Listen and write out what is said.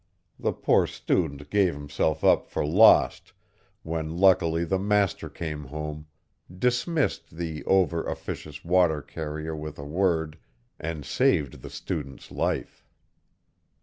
The poor student gave himself up for lost, when luckily the master came home, dismissed the over officious water carrier with a word, and saved the student's life.